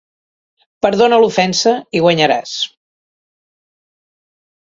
Perdona l'ofensa i guanyaràs.